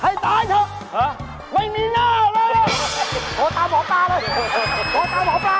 ให้ตายเถอะไม่มีหน้าแล้วโทรทางหัวปลาเลยโทรทางหัวปลา